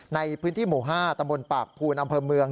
ในพื้นที่หมู่๕ตำบลปากภูนอำเภอเมือง